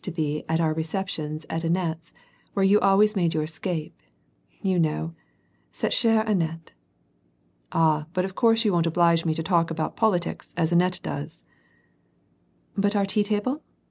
to be at our receptions at Annette's, where you always made your escape, you know — citte chere Annette !"'' Ah, but of course you wou*t oblige me to talk about poli tics as Annette does !"" But our tea table